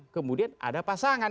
kemudian ada pasangan